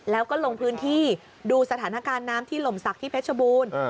แล้วก็ลงพื้นที่ดูสถานการณ์น้ำที่หล่มศักดิ์ที่เพชรบูรณ์